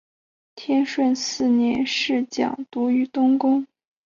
天顺四年侍讲读于东宫。